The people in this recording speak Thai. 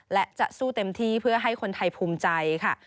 และจะสู้เต็มที่เพื่อให้คนไทยภูมิใจค่ะ